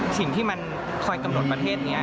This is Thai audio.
สิ่งที่มันคอยกำหนดประเทศนี้